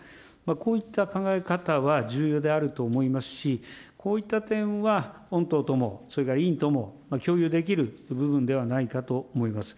こういった考え方は重要であると思いますし、こういった点は、御党とも、それから委員とも共有できる部分ではないかと思います。